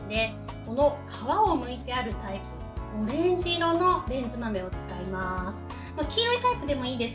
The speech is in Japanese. この皮をむいてあるタイプオレンジ色のレンズ豆を使います。